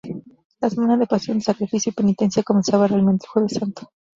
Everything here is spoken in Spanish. La Semana de Pasión de Sacrificio y Penitencia comenzaba realmente el Jueves Santo.